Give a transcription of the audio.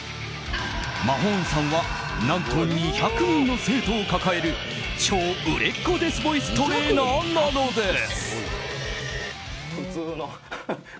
ＭＡＨＯＮＥさんは何と２００人の生徒を抱える超売れっ子デスボイストレーナーなのです。